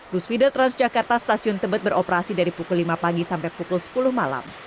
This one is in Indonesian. bus feede transjakarta stasiun tebet beroperasi dari pukul lima pagi sampai pukul sepuluh malam